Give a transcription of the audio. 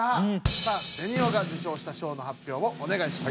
さあベニオが受賞した賞の発表をおねがいします。